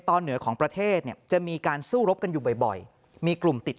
เหนือของประเทศเนี่ยจะมีการสู้รบกันอยู่บ่อยมีกลุ่มติด